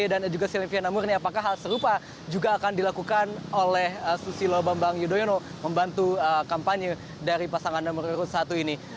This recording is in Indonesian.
dan juga sylvie namurni apakah hal serupa juga akan dilakukan oleh susilo bambang yudhoyono membantu kampanye dari pasangan nomor satu ini